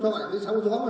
cùng nhau chống dõi